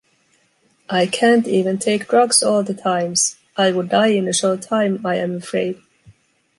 I can’t even take drugs all the times, I would die in a short time, I am afraid.